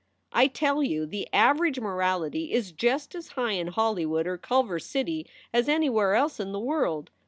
"I tell you the average morality is just as high in Holly wood or Culver City as anywhere else in the world.